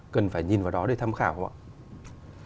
cần phải nhìn vào đó để tham khảo không ạ